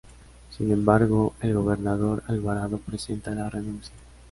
Sin embargo el gobernador Alvarado presenta la renuncia.